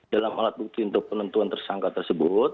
dalam alat bukti untuk penentuan tersangka tersebut